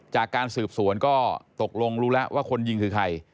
จากการสืบสวนก็ตกลงรู้แล้วว่าคนยิงคือใคร